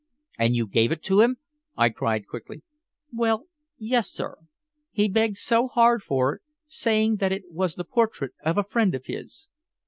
"And you gave it to him?" I cried quickly. "Well yes, sir. He begged so hard for it, saying that it was the portrait of a friend of his."